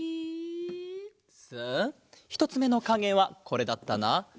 さあひとつめのかげはこれだったな。